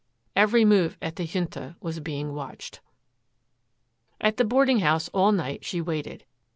Every move at the Junta was being watched. At the boarding house all night she waited.